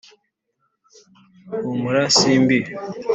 humura simbi,